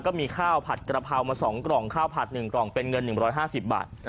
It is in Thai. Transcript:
ก็มีข้าวผัดกระเพรามา๒กล่องข้าวผัด๑กล่องเป็นเงิน๑๕๐บาท